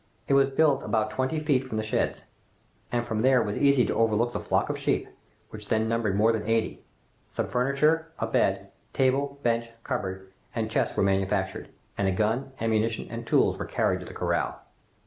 It was built about twenty feet from the sheds, and from there it was easy to overlook the flock of sheep, which then numbered more than eighty. Some furniture, a bed, table, bench, cupboard, and chest were manufactured, and a gun, ammunition, and tools were carried to the corral.